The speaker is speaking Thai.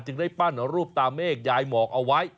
ได้ปั้นรูปตาเมฆยายหมอกเอาไว้